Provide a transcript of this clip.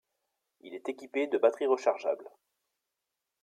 Il est équipé de batteries rechargeables.